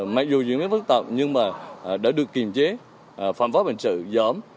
mặc dù diễn biến phức tạp nhưng mà đã được kiềm chế phạm pháp hình sự giảm